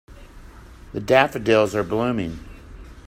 The daffodils are blooming.